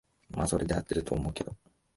まあそれで合ってると思うけど